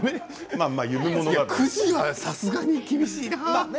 ９時はさすがに厳しいな。